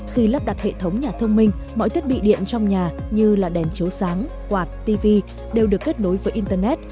khi lắp đặt hệ thống nhà thông minh mọi thiết bị điện trong nhà như là đèn chấu sáng quạt tv đều được kết nối với internet